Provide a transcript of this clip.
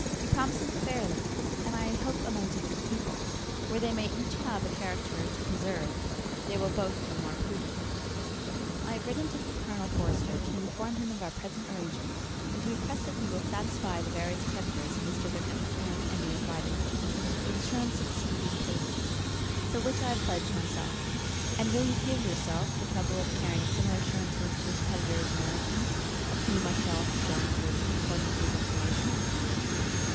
He promises fairly; and I hope among different people, where they may each have a character to preserve, they will both be more prudent. I have written to Colonel Forster, to inform him of our present arrangements, and to request that he will satisfy the various creditors of Mr. Wickham in and near Brighton with assurances of speedy payment, for which I have pledged myself. And will you give yourself the trouble of carrying similar assurances to his creditors in Meryton, of whom I shall subjoin a list, according to his information?